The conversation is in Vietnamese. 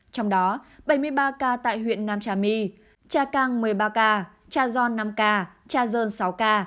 trong đó bảy mươi ba ca tại huyện nam trà my trà căng một mươi ba ca trà giòn năm ca trà dơn sáu ca